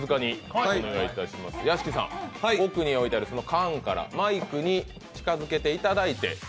奥に置いてある缶からマイクに近づけていただいて。